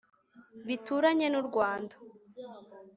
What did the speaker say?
bituranye n u Rwanda